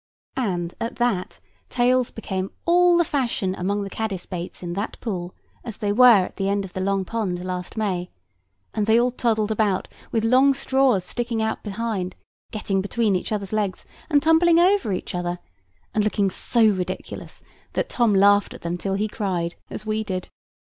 And, at that, tails became all the fashion among the caddis baits in that pool, as they were at the end of the Long Pond last May, and they all toddled about with long straws sticking out behind, getting between each other's legs, and tumbling over each other, and looking so ridiculous, that Tom laughed at them till he cried, as we did.